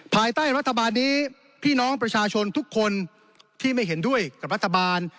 ภายใต้รัฐบาลนี้พี่น้องประชาชนทุกคนที่ไม่เห็นด้วยกับรัฐบาล